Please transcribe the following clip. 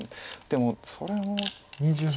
でもそれも。